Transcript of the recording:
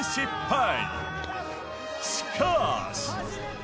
しかーし！